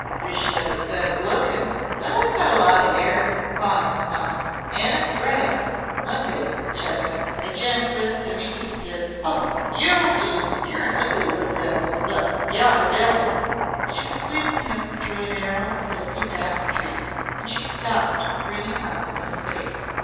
Wisht I was better lookin'. But I've got a lot of 'air," clawing her mop, "an' it's red. One day," chuckling, "a gent ses to me he ses: 'Oh! yer'll do. Yer an ugly little devil but ye ARE a devil.'" She was leading him through a narrow, filthy back street, and she stopped, grinning up in his face.